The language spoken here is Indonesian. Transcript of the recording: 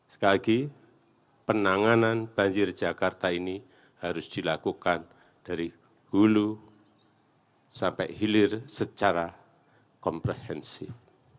sekali lagi penanganan banjir jakarta ini harus dilakukan dari hulu sampai hilir secara komprehensif